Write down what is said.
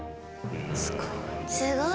すごい。